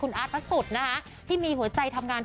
คุณอาทรัศน์สุดนะคะที่มีหัวใจทำงาน